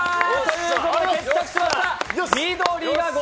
ういことで決着しました。